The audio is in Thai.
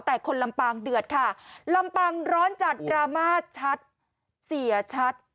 แต่คนลำปางเดือดค่ะลำปางร้อนจัดดราม่าชัดเสียชัด